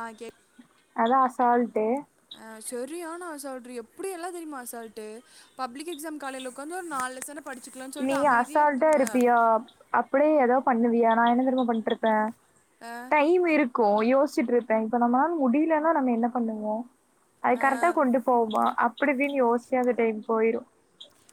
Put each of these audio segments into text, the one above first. ஆ கே அதா அசால்ட்டு ஆ சரியான அசால்ட்ரி எப்டி எல்லா தெரியுமா அசால்ட்டு பப்ளிக் எக்ஸாம் காலேல உட்காந்து ஒரு நாலு லெசன நீ அசால்டா இருப்பியா அப் படியே ஏதாவது பண்ணுவியா நா என்ன தெரியுமா பண்ட்ருக்கே ஆ, டைம் இருக் கோ யோசிச்சிட்டு இருப்பே இப்ப நம்மளால முடியலன்னா நம்ம என்ன பண்ணுவோ அது ஆ. கரெக்டா கொண்டு போவோமா அப்டி இப்டின்னு யோசிச்சு அந்த டைம் போயிரும்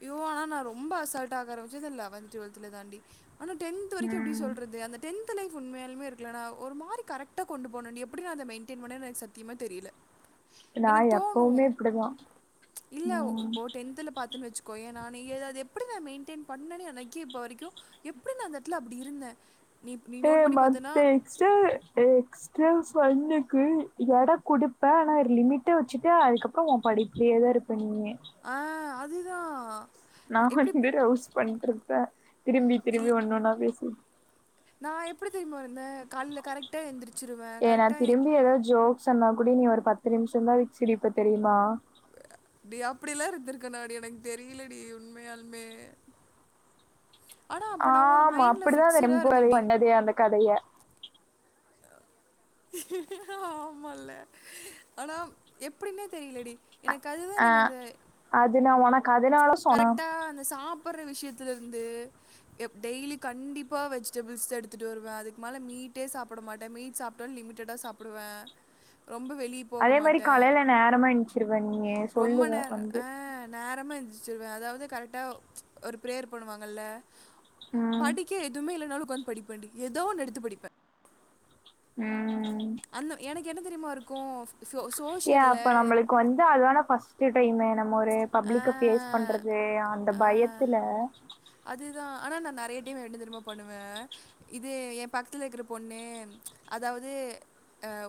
அயோ ஆனா நா ரொம்ப அசால்ட் ஆரம்பிச்சது லெவன்த் டுவல்துல தாண்டி ஆனா டென்த் வரைக்கும் எப்டி ம் சொல்றது அந்த டென்த்து லைஃப் உண்மையுமே இருக்கல னா ஒரு மாரி கரெக்டா கொண்டு போனேன்டி எப்படி நா அதை மெயின்டயின் பண்ணேு எனக்கு சத்தியமா தெரியல [inaudible] எனக்கு தோணு எப்பவுமே இப்டிதா இல்ல ம் இப்போ டென்த்துல பாத்துன்னு வச்சு க்கோயே நான் ஏதாது எப்படி நா மெயின்டெயின் பண்ணே எனக்கே இப்போ வரைக்கும் எப்டி நா அந்த இடத்துல அப்டி இருந்தே ஹ மத்த எக்ஸ்டா எக் ஸ்டெல்ஸ் பண்ணுக்கு இட கொடுப்பே ஆனா ஒரு லிமிட்டை வச்சுட்டு அதுக்கப்புற உன் படிப்பேதா இருப்ப பண்ணியே ஆ அதுதா நா வந்து லவ்ஸ் பண்ருப்பே திரும்பி திரும்பி ஒண்ணுனா பேசின் நா எப்டி தெரியுமா இருந்தே காலையில கரெக்ட்டா எந்திருச்சிருவே ஏ நா கரெக்டா திரும்பி ஏதாவது ஜோக் சொன்னா கூடி நீ ஒரு பத்து நிமிஷந்தா வச்சிருப்ப தெரியுமா டி அப்டி எல்லா இருந்திருக்கனாடி எனக்கு தெரியலடி உண்மையாலமே ஒரு ஆமா மைண்ட்ல அப்படிதா அந்த ஃபிக்ஸடா [unintelligible] இருந்தேன்டி. வந்ததே அந்த கதையை அ ஆமால்ல ஆனா எப்படின்னே தெரியலடி எனக்கு அதுதா ஆ எனக்கு அந்த அது நா உனக் கரெக்டா அந்த சாப்பட்ற விஷயத்துலருந்து எப் டெய்லி கண்டிப்பா வெஜிடபிள்ஸ் எடுத்துட்டு வருவே அதுக்கு மேல மீட்டே சாப்பிட மாட்டே மீ்ன் சாப் டாலு லிமிட்டடா சாப்பிடுவே ரொம்ப வெளிய போக அதே மாரி மாட்டே காலையில நேரமா எந்திச்சிருவ நீயி ரொம்ப சொல்லுவ நேர வந்து ஆ நேரமா எந்திருச்சுருவே அதாவது கரெக்டா ஒரு பிரேயர் பண்ணுவாங்கல்ல ம் படிக்க க எதுவுமே இல்லைனாலு உக்காந்து படிப்பேண்டி எதோ ஒன்னு எடுத்து படிப்பே ம் அந்த எனக்கு என்ன தெரியுமா இருக்கு ஏ அப்ப நம்மளுக்கு வந்து அதுதான ஃபர்ஸ்ட் சுடைமே நம்ம ஒரு ஆ, பப்ளிக்க ஃபேஸ் பண்றது அந்த பயத்துல அதுதா ஆனா நா நெறைய டைம் என்ன தெரியமா பண்ணுவ இது எ பக்கத்துல இருக்கிற பொண்ணு அதாவது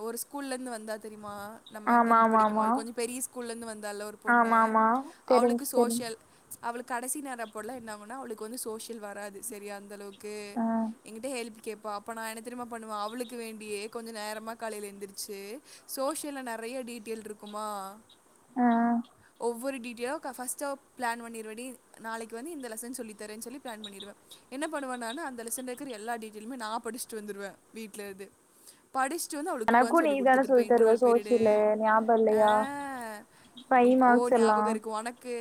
ஒரு ஸ்கூல்லந்து வந்தா தெரிமா நம்ம ஆமா டென்த் ஆமா ஆமா படிக்கும்போது கொஞ்ச பெரிய ஸ்கூல்ல இருந்து வந்தால ஒரு ஆமா பொண்ணு ஆமா அவளுக்கு தெரிஞ்சு தெரிஞ்சு சோசியல் அவளுக்கு கடைசி நேர பொடல என்னாவுனா அவளுக்கு வந்து சோசியல் வராது சரியா அந்த அளவுக் கு ஆ எங்கிட்ட ஹெல்ப் கேப்பா அப்ப நா என்ன தெரியுமா பண்ணுவ அவளுக்கு வேண்டியே கொஞ்ச நேரமா காலையில எந்திருச்சு சோசியல நெறய டீட்டெயில் இருக் க்குமா ஆ ஒவ்வொரு டீட்டெயலா ஃபர்ஸ்ட் பிளான் பண்ணிருவடி நாளைக்கு வந்து இந்த லெசன்ஸ் சொல்லிதரனு சொல்லி பிளான் பண்ணிருவ என்ன பண்ணுவனா நானு அந்த லெசன் இருக்கற எல்லா டிடைல்மே நா படிச்சுட்டு வந்துருவே வீட்ல இருந்து படிச்சுட்டு வந்து அவளுக்கு எனக்கு உக்காந்து நீ சொல்லி தான கொடுத்துட்டுருப்பே தருவ இன்டர்வல் பீரியடு சோசியலு ஞாபக அ இல்லையா ஃபைவ் ஓ மார்க்ஸ் எல்லா ஞாபக இருக்கு ஒனக்கு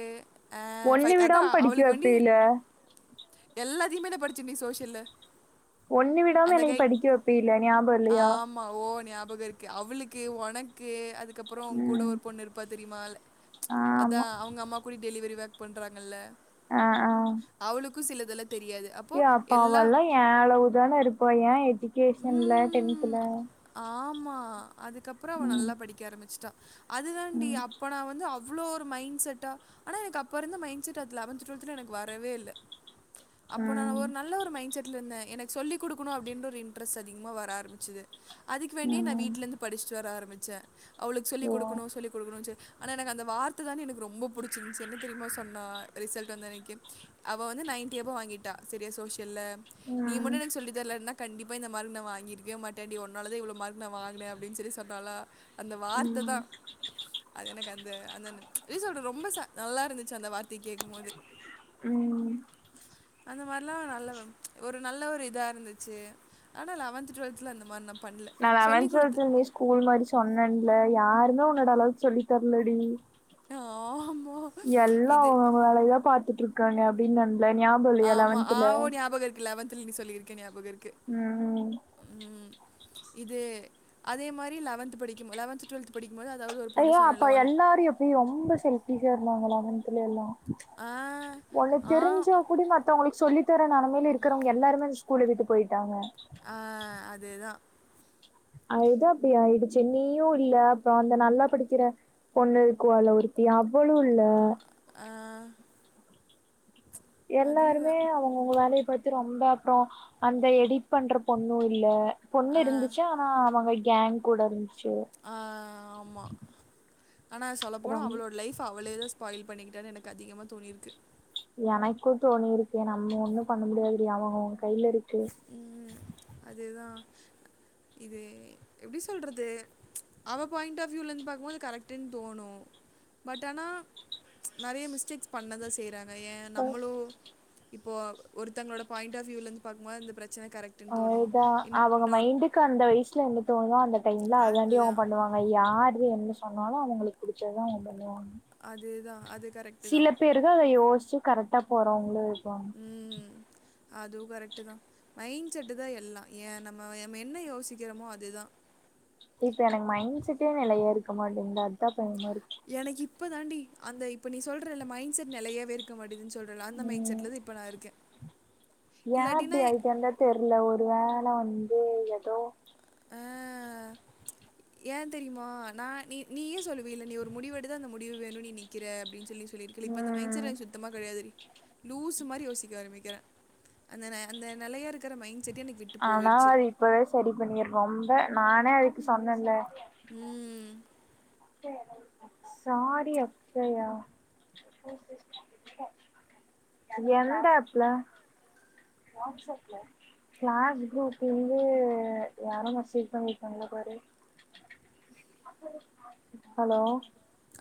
அ ஃபை ஒண்ணு அதா விடாம படிக்க அவளுக்கு வண்டி வைப்பீல எல்லாத்தையுமே நா படிச்சண்டி சோசியல்ல ஒண்ணு விடாம என்னை படிக்க வைப்ப இல்ல ஞாப இல்லையா ஆமா ஓ ஞாபக இருக்கு அவளுக்கு ஒனக்கு அதுக்கப்பற உ கூட ம் ஒரு பொண்ணு இருப்பா தெரியுமா அதா ஆமா அவங்க அம்மா கூட டெலிவரி பேக் பண்றாங்கல்ல அ அ அவளுக்கு சிலதெல்லா தெரியாது அப் ஏ அப்பாவல்லா ஏ அளவுதான இருப்பா ஏ எஜிகேஷன்ல டென்துல ம். ஆமா அதுக்கப்பற அவன் ம் நல்லா படிக்க ஆரம்பிச்சுட்டா அதுதாண்டி ம் அப்ப நா வந்து அவ் அவ்ளோ ஒரு மைண்ட் செட்டா ஆனா எனக்கு அப்போ இருந்த மைண்ட் செட் அது லெவன்த் டுவெல்த்ல எனக்கு வரவே இல்ல அப்போ நா ம் ஒரு நல்ல ஒரு மைண்ட் செட் ட்லருந்த எனக்கு சொல்லிக்குடுக்கணு அப்படினு ஒரு இன்ட்ரெஸ்ட் அதிகமா வர ஆரம்பிச்சது அதுக்கு வேண்டி நா ம் வீட்ல இருந்து படிச்சுட்டு வர ஆரம்பிச்ச அவளுக்கு சொல்லி ஓ குடுக்கணு சொல்லிகுடுக்கணு எனக்கு அந்த வார்த்த தா எனக்கு ரொம்ப பிடிச்சிருந்துச்சு என்ன தெரியுமா சொன்னா ரிசல்ட் வந்த அன்னைக்கி அவ வந்து நைன் டி அபௌ வாங்கிட்டா சரியா சோசியல நீ ம் மட்டு எனக்கு சொல்லி தரலனா கண்டிப்ப இந்த மார்க் நா வாங்கிருக்கவே மாட்டேடி உன்னாலதா இவ்ள மார்க நா வாங்கின அப்பிடினு சொல்லி சொன்னாலா அந்த வார்த்த ம் தா அது எனக்கு அந்த அந்த எப்டி சொல்றது ரொம்ப நல்லா இருந்துச்சு அந்த வார் த கேக்கும்போது ம் அந்த மாரிலா நல்லா ஒரு நல்ல ஒரு இதா இருந்துச்சு ஆனா லெவந்த் டுவல்தல அந்த மாரி நா நா லெவன்த் ட்வல்த் ல ஸ்கூல் மாரி சொன்னன்ல யாருமே உன்னோட அளவுக்கு சொல்லி தரலடி ஆமா எல்லா அவங்க அவங்க வேலதா பாத்துட்டு இருக்காங்க அப்டின்னன்ல ஞாபகம் இல்லையா லெவன்தல லெவன்த்ல நீ சொல்லிருக்க ஞாபகருக்கு ம் ம் இது அதே மாரி லெவன்த் படிக்கும் போது லெவன்த் டுவெல்த் படிக்கும்போது அதாவது ஒரு பொண்ணு சொன்னல ஒன் நீ ரொம்ப செல்பிஷா இருந்தாங்க லவன்த்துல எல்லா ஆ ஒன்னு ஆ தெரிஞ்ச கூடி மத்தவங்களுக்கு சொல்லி தர நெலமையில இருக்கிறவங்க எல்லாருமே ஸ்கூல்ல விட்டு போயிட்டாங்க ஆ அதேதா அதுதா அப்டி ஆயிடுச்சு நீயு இல்ல அப்பறோ அந்த நல்லா படிக்கற பொண்ணு இக்குவால ஒருத்தி அவளு இல்ல ஆ எல்லாருமே அதுதான் அவங்கவுங்க வேலைய பாத்து ரொம்ப அப்பற அந்த எடிட் பண்ற பொண்ணு இல்ல பொண்ணு ஆ இருந்துச்சு ஆனா அவங்க கேங் கூட இருந்துச்சு ஆ ஆமா ஆனா சொல்லப்போன அப்றம் அவளோட லைஃப் அவளேதா ஸ் பாயில் பண்ணிக்கிட்டான்னு எனக்கு அதிகமா தோணிருக்கு எனக்கு தோணிருக்கு நம்ப ஒண்ணு பண்ண முடியாதுடி அவ அவு கையில இருக்கு ம் அதேதா இது எப்டி சொல்றது அவ பாயிண்ட் ஆஃப்யூல இந்து பாக்குபோது கரெக்டு தோணு பட் ஆனா நெறைய மிஸ்டேக்ஸ் பண்ணதா செய்றாங் ஏ நம்மளு இப்போ ஒருத்தங்ளோட பாயிண்ட் ஆஃப் வியூல இருந்து பாக்கும்போது அந்த பிரச்சன கரெக்ட் ட்டுன் தோனு இன் இன்னோ க்க அந்த வயசுல என்ன தோணோ அந்த டைம்ல அதாண்டி அவ அதுதான் பண்ணுவா அவ யாரு என்ன சொன்னாலு அவுங்குளுக்கு குடிச்சததா அவுங்க பண்ணுவாங்க அதேதா அது கரெக்ட்டுதா இப்ப இருகு அத யோஸ்ச்சி கரெட்டா போறவங்களு இருப்பாங் ம் அதுவு கரெக்ட்டுதா மைண் செட்டுதா எல்லா ஏ நம்ம நம் என்ன யோசிக்கிறோமோ அதுதா இப்ப எனக் மைண்ட் செட்டே நெலையா இருக்க மாட்டேங்து அதா பயமாருக்கு எனக்கு இப்ப தாண்டி அந்த இப்ப நீ சொல்றல மைண்ட் செட் நெலையாவே இருக்க மாட்டிது சொல்றல அந்த மைண்ட் ம் செட்லதா இப் இப்ப நா இருக்கே ஏ இப்டி அயின்டந்தா தெர்ல ஒரு வேல வந்து ஏதோ ஆ ஏ தெரியுமா நா நீ நீயே சொல்லுவீல நீ ஒரு முடிவு எடுத்து அந்த முடிவு வேணுனு நீ நிக்கிற அப்டின்னு சொல்லி தோழி இருருக்கில அந்த மைண்ட் செட் ம் எனக் சுத்தமா கெடையாது டி லூசு மாரி யோசிக்க ஆரம்பிக்கிறே அந்த அந்த நெலய இருக்கிற மைண்ட செட்டே எனக்கு விட் ஆனா அது இப்பவே சரி பண்ணிர் ரொம்ப நானே அதுக்கு சொன்னேன்ல ம் சாரி அக்சயா எந்த ஆப்ல வட்ஸ்சப்ல க்ளாஸ் குரூப்ல இருந்து யாரு மேசேஜ் பன்னிருக்காங்களா பாரு ஹலோ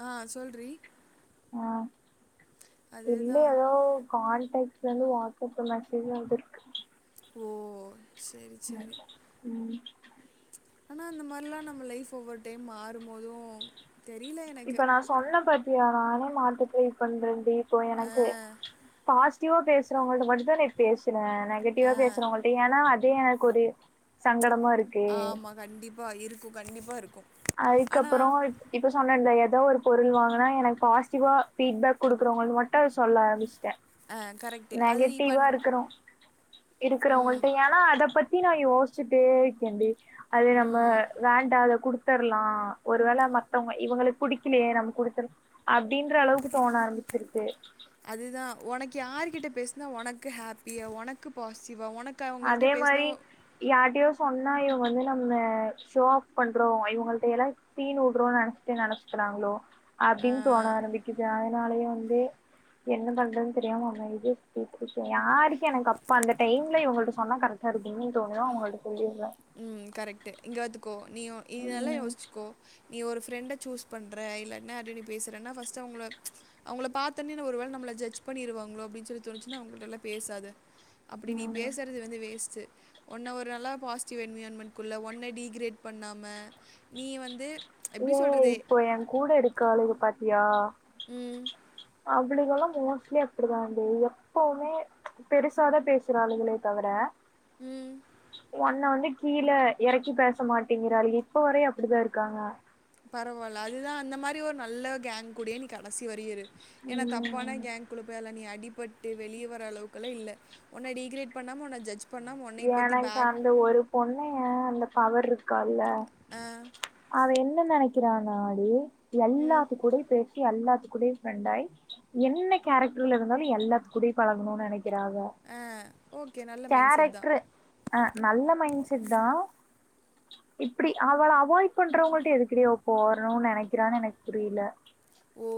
ஆ சொல்றி ஆ இல்ல அதுதான் எதோ கால்டைப்லந்து வாட்ஸ்சப்புக்கு மெசேஜ் வந்துருக்கு ஓ சேரி சேரி ம் ஆனா அந்த மாரிலா நம்ம லைஃப் ஒவ்வொரு டைம் மாறும்போது தெரியல எனக்கு இப்ப நா சொன்ன பாத்தியா நானே மாத்தி போய் பண்ரன்டி இப்போ ஆ எனக்கு பாஸ் சிட்டிவ்வா பேஸ்றவங்கள்ட்ட மட்டுந்தா பேசுன ஆ நெகட்டிவா பேசுறவங்கள்ட ஏனா அதே எனக்கு ஒரு சங்கடமா இருக்கே கண்டிப்பா இருக்கு கண்டிப்பா இருக்கு அதுக்கப்பறோ இப் இப்ப சொன்னன்ல ஏதோ ஒரு பொருள் வாங்குனா எனக்கு பாசிட்டிவா ஃபீட்பேக் குடுக்குறவங்க மட்டு அத சொல்ல ஆரமிஸ்ட்ட கரெக்டு அது இப்போ நெகட்டிவா இருக்கணு ம் இருக்குறவங்கள்ட ஏனா அத பத்தி நா யோஸ் வச்சிட்டே இக்கண்டி அது நம்ப ம் வேண்டா அத குடுத் குடுத்ர்லா ஒரு வேல மத்தவங்க இவுங்கள புடிக்கிலியே நம்ப குடுத்துற அப்டின்ற அளவுக்கு தோண ஆரம்பிச்சிருச்சு அதுதா ஒனக்கு யாரு கிட்ட பேசுனா ஒனக்கு ஹாப்பியா ஒனக்கு பாசிட்டிவா ஓனக் அதே மாரி யார்ட்டையோ சொன்னா இவ வந்து நம்ம ஷோ ஆப் பண்றோ இவுங்கள்ட்டயலா சீன் உடுறோனு நெனச்சிட்டு நெனைச்சிக்றாங்களோ அப்டின் தோண ஆரம்பிக்குது அதனாலே வந்து என்ன பண்றதுன் தெரியாம அவுங்க இது [unintelligible] யாருக்கு எனக்கு அப்ப அந்த டைம்ல இவங்கள்ட்ட சொன்னா கரெக்டா இருக்கீங்கன் தோணுது அவுங்கள்ட்ட சொல்லிர்றோ ம் கரெக்ட்டு இங்க வாத்துக்கோ நீ இதெல்லா ம் யோசிச்சுக்கோ நீ ஒரு ஃப்ரெண்ட சூஸ் பண்ற இல்லனா நீ யாருட்டயோ நீ பேசுறன்னா ஃபர்ஸ்ட் அவங்கள அவங்கள பாத்தோன்னே ஒரு வேல நம்மல ஜட்ஜ் பண்ணிடுவாங்களோ அப்டின் சொல்லி தோணிச்சுனா அவங்கள்ட்டல்லா பேசாத அப்படி நீ ம் பேசுறது வந்து வேஸ்ட் ஒன்ன ஒரு நாளா பாசிட்டிவ் என்விராயின்மென்ட் குள்ள ஒன்ன டீ கிரேட் பண்ணாம நீ வந்து எப்படி ஏ சொல்கிறது இப்போ எ கூட இருக்காலுக பாத்தியா ம் அவளுகளெல்லா மோஸ்ட்லி அப்படிதாண்டி எப்பவுமே பெருசாதா பேசுறாலுங்கலே தவர ம் உன்ன வந்து கீழே எறக்கி பேச மாட்டேங்கிறாள்க இப்ப வரையு அப்படிதா இருக்காங்க பரவால்ல அதுதா அந்த மாரி ஒரு நல்ல கேங் கூட நீ கடைசி வரையு இரு ஏன்னா தப்பான ம் கேங் உள்ள போய்லா நீ அடிபட்டு வெளிய வர அளவுக்குலா இல்ல உன்ன டீக்ரேட் பண்ணாம உன்ன ஜட்ஜ் பண்ணாம, உன்னைய பத்தி எனக்கு பேக் அந்த ஒரு பொண்ணு அந்த பவர் இருக்கால்ல ஆ, அவ என்ன நினைக்கிறன்னாடி ம், எல்லாத்து கூடயு பேச எல்லாத்து கூட ஃபிரெண்ட் ஆகி என்ன கேரக்டர்ல இருந்தாலு எல்லாத்து கூட பழகணுனு நெனைக்கிறா அவ ஆ ஓகே நல்ல மைண்ட் செட் தா ஆ நல்ல மைண்ட் செட் தா இப்படி அவள அவாய்ட் பண்றவங்கள்ட்ட எதுக்கு டி அவ போறணுன் நெனைக்கிறான் எனக்கு புரில ஓ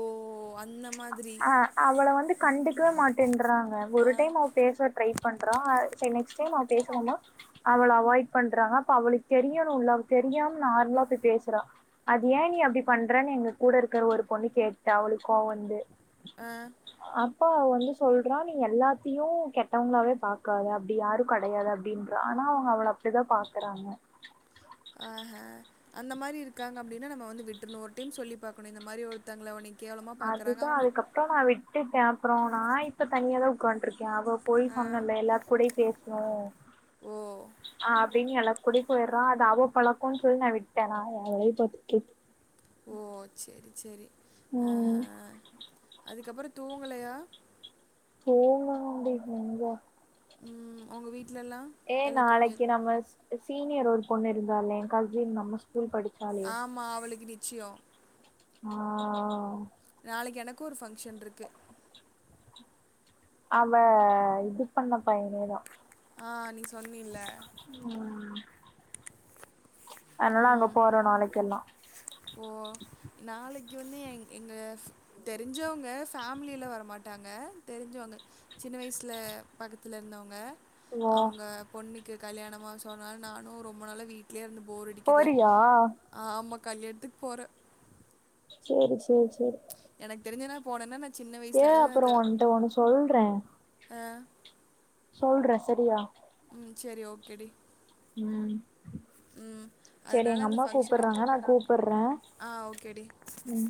அந்த மாதி ஆ அவள வந்து கண்டுக்கவே மாட்டேன்றாங்க ஆ, ஒரு டைம் அவ பேச ட்ரை பண்றா சென்னை சே நா பேசுவ மா அவள அவாய்ட் பண்றாங்க அப்ப அவுளுக்கு தெரியணுல அவ தெரியாம நார்மலா போய் பேசுறா அது ஏ நீ அப்டி பண்றனு எங்க கூடருக்கிற ஒரு பொண்ணு கேட்டா அவளுக் கோவ வந்து ஆ, அப்ப அவ வந்து சொல்றா நீ எல்லாத்தையு கெட்டவங்களாவே பாக்காத அப்டி யாரு கெடயாது அப் அப்டின்றா ஆனா அவுங்க அவள அப்டிதா பாக்குறாங்க ஆஹா அந்த மாரி இருக்காங்க அப்டினா நம்ம வந்து விட்ருணு ஒரு டைம் சொல்லி பாக்கணு இந்த மாரி ஒரு த்தங்கள உனை கேவலமா பாக்குறாங்க அவுங்கட் அப்ற நா விட்டுட்ட அப்ற நா இப்ப தனியா தா உட்காண்ட்ருக்க அவ போய் ஆ, சொன்னல எல்லா கூட பேசுனு ஓ! ஆ அப்டின் எல்லா கூட போய்ட்றா அது அவ பழக்கன் சொல்லி நா விட்ட நா என வேலைய பாத்துகிட் ஓ செரி செரி ஆஹ ம் அதுக்கப்பற தூங்கலையா தூங்கணுண்டி எங்க ம் உங்க வீட்லல்லா ஏ நாளைக்கு நம்ம சீனியர் ஒரு பொண்ணு இருந்தாலே கசின் நம்ம ஸ்கூல் படி ஆமா அவளுக்கு நிச்சயோ ஆ நாளைக்கு எனக்கும் ஒரு ஃபங்க்ஷன் இருக்கு அவ இது பண்ண பையனேதா ஆ நீ சொன்னில்ல ம் அதனாலா அங்க போறோம் நாளைக்கு எல்லாம் ஓ நாளைக்கு வந்து எ எங்க தெரிஞ்சோங்க ஃபேமிலில வரமாட்டாங்க தெரிஞ்சோங்க சின்ன வயசுல பக்கத்துல இருந்தவங்க ஓ அவங்க பொண்ணுக்கு கல்யாணமா சோ அதனால நானும் ரொம்ப நாளா வீட்லயே இருந்து போர் அடிக்குது ஆ ஆம கல்யணத்துக்கு போற சேரி சேரி சேர் எனக்கு தெரிஞ்சன போனன்னன் ஏ அப்புற உன்னுட்ட ஒன்னு சொல்ற ஆ சொல்ற செரியா ம் சேரி ஓகே டி ம் சேரி எங்க அதனால அந்த அம்மா ஃபங்க்ஷனுக்கு கூப்பிட்றாங்க நா கூப்பற ஆ ஓகேடி ம்